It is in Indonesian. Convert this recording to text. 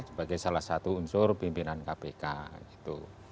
sebagai salah satu unsur pimpinan kpk gitu